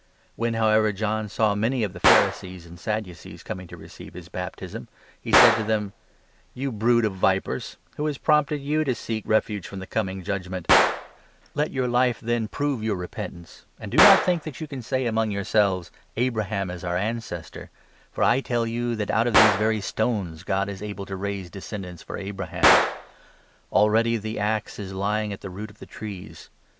When, however, John saw many of the Pharisees and 7 Sadducees coming to receive his baptism, he said to them : "You brood of vipers! Who has prompted you to seek refuge from the coming judgement? Let your life, then, 8 18 Jcr. 31. 15. •" Exod. 4. 19. Dan. a. 44. 8 Isa. 40. 3. * a Kings i. 8. MATTHEW, 3 4. 47 prove your repentance ; and do not think that you can say 9 among yourselves 'Abraham is our ancestor,' for I tell you that out of these very stones God is able to raise descendants for Abraham ! Already the axe is lying at the root of the 10 trees.